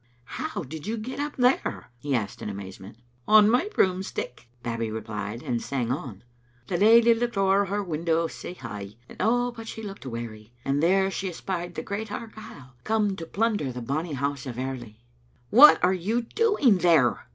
" How did you get up there?" he asked in amazement. "On my broomstick," Babbie replied, and sang on — "The lady looked o'er her window sae high, And oh ! but she looked weary, And there she espied the great Argyle Come to plunder the bonny house o' Airly. *" What are you doing there?"